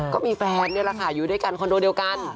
ก็มีแฟนนี่แหละค่ะอยู่ด้วยกันคอนโดเดียวกัน